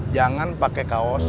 jangan pakai kaos